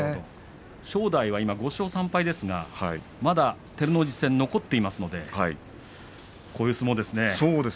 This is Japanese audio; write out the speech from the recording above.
正代は今５勝３敗ですがまだ照ノ富士戦が残っていますのでこういう相撲ですね。